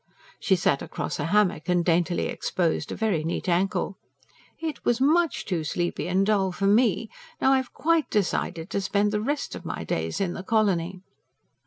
She sat across a hammock, and daintily exposed a very neat ankle. "It was much too sleepy and dull for ME! No, I've QUITE decided to spend the rest of my days in the colony."